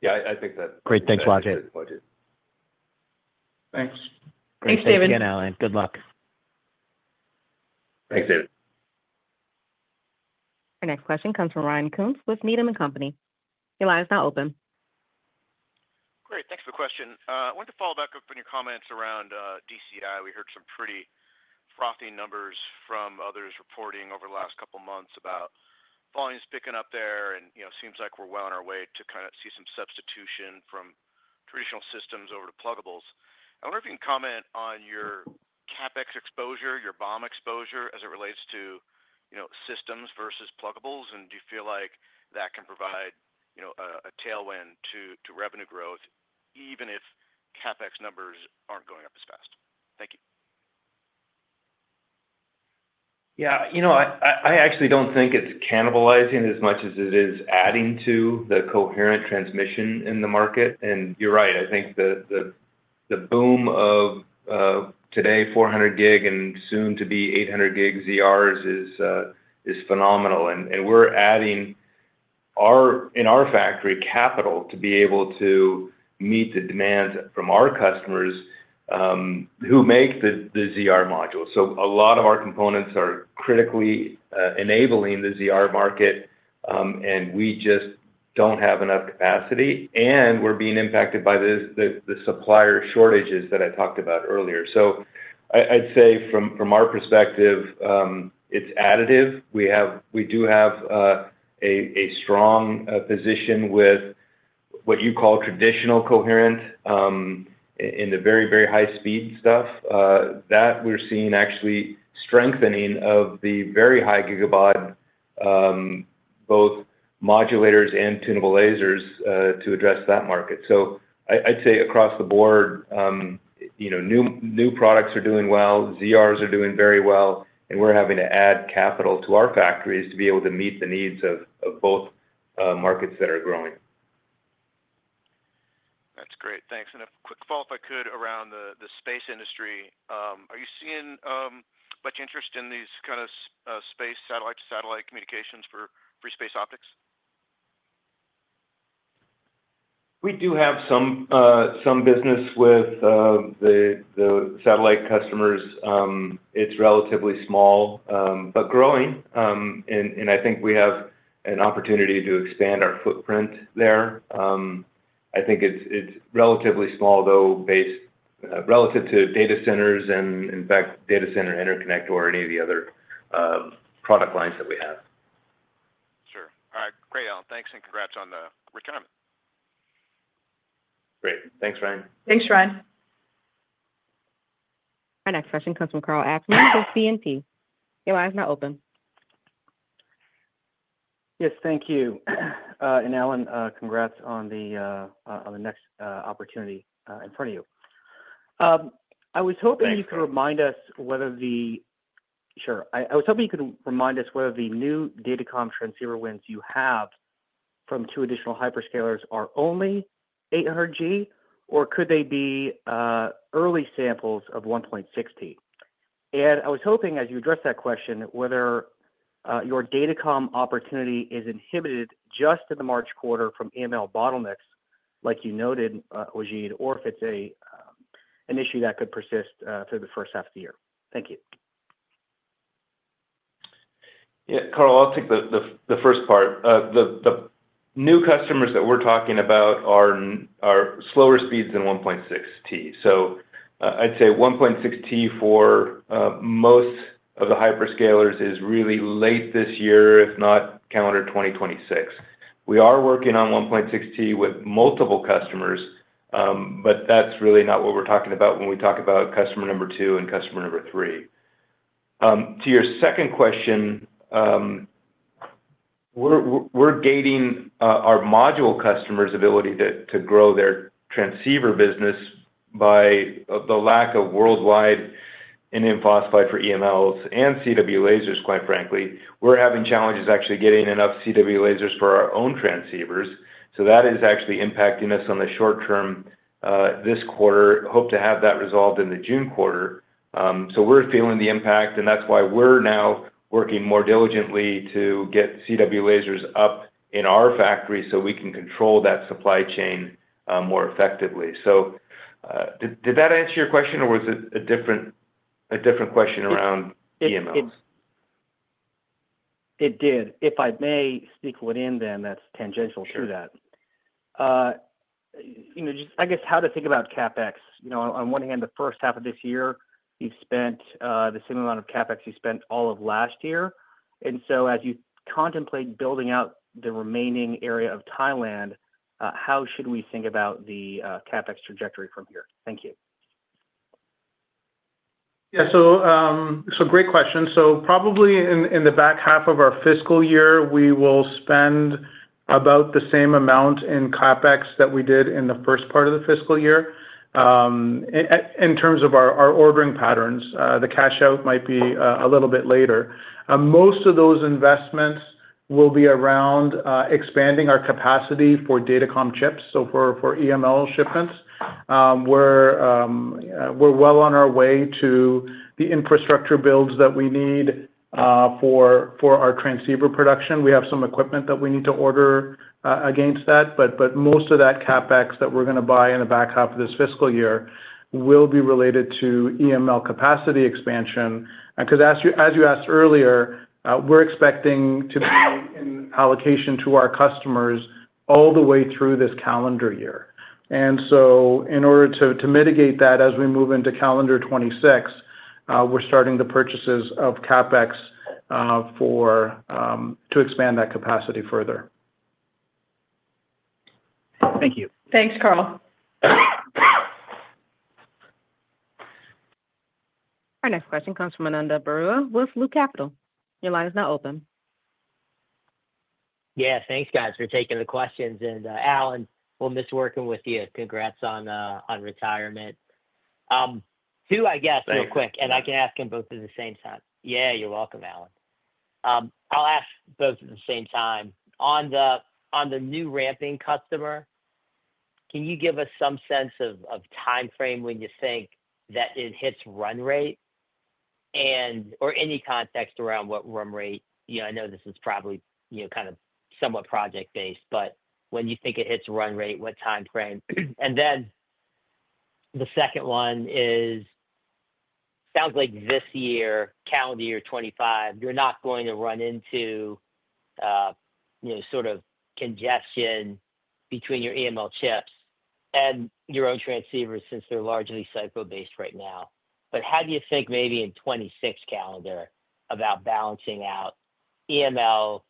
Yeah. I think that. Great. Thanks, Wajid. Thanks. Thanks, David. Thanks again, Alan. Good luck. Thanks, David. Our next question comes from Ryan Koontz with Needham & Company. Your line is now open. Great. Thanks for the question. I wanted to follow back up on your comments around DCI. We heard some pretty frothy numbers from others reporting over the last couple of months about volumes picking up there, and it seems like we're well on our way to kind of see some substitution from traditional systems over to pluggables. I wonder if you can comment on your CapEx exposure, your BOM exposure as it relates to systems versus pluggables, and do you feel like that can provide a tailwind to revenue growth even if CapEx numbers aren't going up as fast? Thank you. Yeah. I actually don't think it's cannibalizing as much as it is adding to the coherent transmission in the market. And you're right. I think the boom of today, 400-gig and soon to be 800-gig ZRs is phenomenal. And we're adding in our factory capital to be able to meet the demands from our customers who make the ZR module. So a lot of our components are critically enabling the ZR market, and we just don't have enough capacity. And we're being impacted by the supplier shortages that I talked about earlier. So I'd say from our perspective, it's additive. We do have a strong position with what you call traditional coherent in the very, very high-speed stuff. That we're seeing actually strengthening of the very high-gigabit both modulators and tunable lasers to address that market. So I'd say across the board, new products are doing well. ZRs are doing very well, and we're having to add capital to our factories to be able to meet the needs of both markets that are growing. That's great. Thanks. And a quick follow-up, if I could, around the space industry. Are you seeing much interest in these kind of space satellite-to-satellite communications for space optics? We do have some business with the satellite customers. It's relatively small but growing. And I think we have an opportunity to expand our footprint there. I think it's relatively small, though, relative to data centers and, in fact, data center interconnect or any of the other product lines that we have. Sure. All right. Great, Alan. Thanks. And congrats on the retirement. Great. Thanks, Ryan. Thanks, Ryan. Our next question comes from Karl Ackerman with BNP Paribas. Your line is now open. Yes. Thank you. And Alan, congrats on the next opportunity in front of you. I was hoping you could remind us whether the sure. I was hoping you could remind us whether the new datacom transceiver wins you have from two additional hyperscalers are only 800G, or could they be early samples of 1.6T? And I was hoping, as you address that question, whether your datacom opportunity is inhibited just in the March quarter from EML bottlenecks, like you noted, Wajid, or if it's an issue that could persist through the first half of the year. Thank you. Yeah. Karl, I'll take the first part. The new customers that we're talking about are slower speeds than 1.6T. So I'd say 1.6T for most of the hyperscalers is really late this year, if not calendar 2026. We are working on 1.6T with multiple customers, but that's really not what we're talking about when we talk about customer number two and customer number three. To your second question, we're gating our module customers' ability to grow their transceiver business by the lack of worldwide supply of indium phosphide for EMLs and CW lasers, quite frankly. We're having challenges actually getting enough CW lasers for our own transceivers. So that is actually impacting us on the short term this quarter. Hope to have that resolved in the June quarter. So we're feeling the impact, and that's why we're now working more diligently to get CW lasers up in our factory so we can control that supply chain more effectively. So did that answer your question, or was it a different question around EMLs? It did. If I may sneak one in, then that's tangential to that. Sure. I guess how to think about CapEx. On one hand, the first half of this year, you've spent the same amount of CapEx you spent all of last year. And so as you contemplate building out the remaining area of Thailand, how should we think about the CapEx trajectory from here? Thank you. Yeah. So great question. So probably in the back half of our fiscal year, we will spend about the same amount in CapEx that we did in the first part of the fiscal year in terms of our ordering patterns. The cash out might be a little bit later. Most of those investments will be around expanding our capacity for datacom chips, so for EML shipments. We're well on our way to the infrastructure builds that we need for our transceiver production. We have some equipment that we need to order against that. But most of that CapEx that we're going to buy in the back half of this fiscal year will be related to EML capacity expansion. Because, as you asked earlier, we're expecting to be in allocation to our customers all the way through this calendar year. So in order to mitigate that as we move into calendar 2026, we're starting the purchases of CapEx to expand that capacity further. Thank you. Thanks, Karl. Our next question comes from Ananda Baruah with Brean Capital Markets. Your line is now open. Yeah. Thanks, guys, for taking the questions. Alan, well, I'll miss working with you. Congrats on retirement. Two, I guess, real quick, and I can ask them both at the same time. Yeah. You're welcome, Alan. I'll ask both at the same time. On the new ramping customer, can you give us some sense of timeframe when you think that it hits run rate or any context around what run rate? I know this is probably kind of somewhat project-based, but when you think it hits run rate, what timeframe? And then the second one is, sounds like this year, calendar year 2025, you're not going to run into sort of congestion between your EML chips and your own transceivers since they're largely cycle-based right now. But how do you think maybe in 2026 calendar about balancing out EML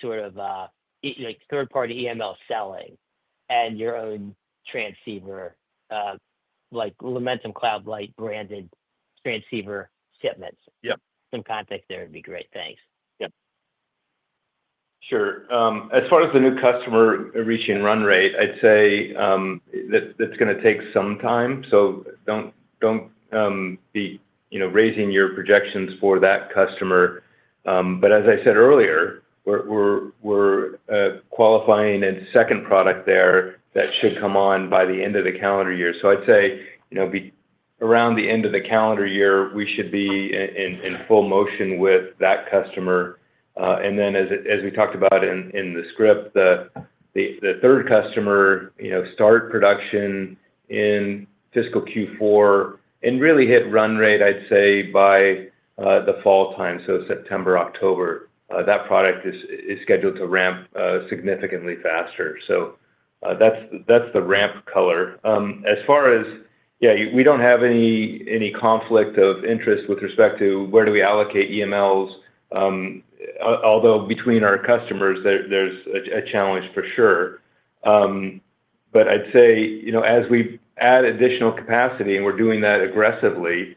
sort of third-party EML selling and your own transceiver, like Lumentum Cloud Light branded transceiver shipments? Some context there would be great. Thanks. Yep. Sure. As far as the new customer reaching run rate, I'd say that's going to take some time. So don't be raising your projections for that customer. But as I said earlier, we're qualifying a second product there that should come on by the end of the calendar year. So I'd say around the end of the calendar year, we should be in full motion with that customer. And then, as we talked about in the script, the third customer start production in fiscal Q4 and really hit run rate, I'd say, by the fall time, so September, October. That product is scheduled to ramp significantly faster. So that's the ramp color. As far as, yeah, we don't have any conflict of interest with respect to where do we allocate EMLs, although between our customers, there's a challenge for sure. But I'd say as we add additional capacity and we're doing that aggressively,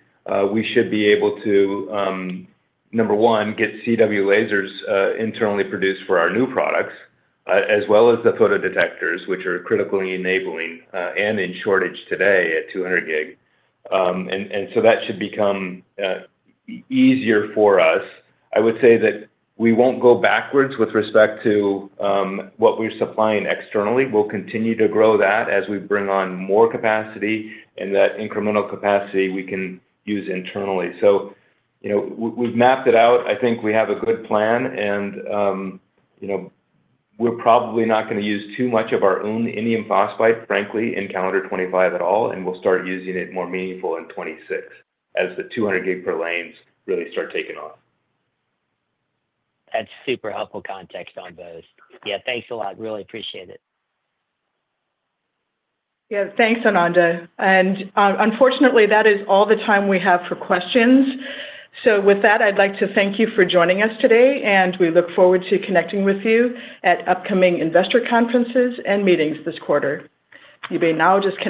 we should be able to, number one, get CW lasers internally produced for our new products, as well as the photodetectors, which are critically enabling and in shortage today at 200 gig. And so that should become easier for us. I would say that we won't go backwards with respect to what we're supplying externally. We'll continue to grow that as we bring on more capacity, and that incremental capacity we can use internally. So we've mapped it out. I think we have a good plan, and we're probably not going to use too much of our own indium phosphide, frankly, in calendar 2025 at all, and we'll start using it more meaningful in 2026 as the 200 gig per lane really start taking off. That's super helpful context on those. Yeah. Thanks a lot. Really appreciate it. Yeah. Thanks, Ananda. And unfortunately, that is all the time we have for questions. So with that, I'd like to thank you for joining us today, and we look forward to connecting with you at upcoming investor conferences and meetings this quarter. You may now just.